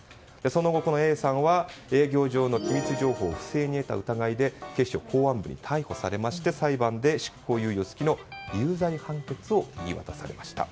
その後Ａさんは営業上の機密情報を不正に得た疑いで警視庁公安部に逮捕されまして裁判で執行猶予付きの有罪判決を言い渡されました。